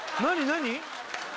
何？